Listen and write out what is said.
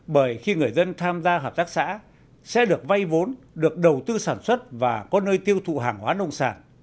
bởi khi người dân tham gia hợp tác xã sẽ được vay vốn được đầu tư sản xuất và có nơi tiêu thụ hàng hóa nông sản